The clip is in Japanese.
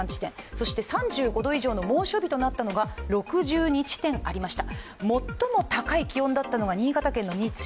そして３５度以上の猛暑日となったのが３２地点ありました。